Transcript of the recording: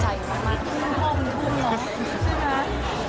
ใช่ไหม